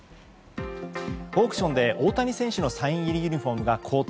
オークションで大谷選手のサイン入りユニホームが高騰。